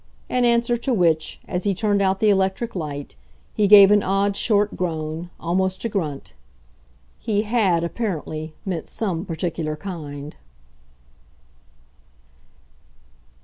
In answer to which, as he turned out the electric light, he gave an odd, short groan, almost a grunt. He HAD apparently meant some particular kind.